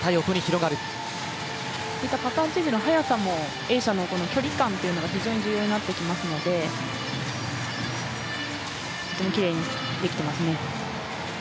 パターンチェンジの早さも距離感が泳者の非常に重要になってきますので本当にきれいにできていますね。